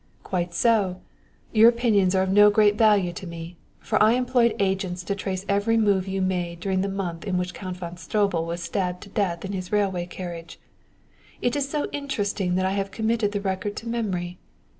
"Quite so! Your opinions are not of great value to me, for I employed agents to trace every move you made during the month in which Count von Stroebel was stabbed to death in his railway carriage. It is so interesting that I have committed the record to memory.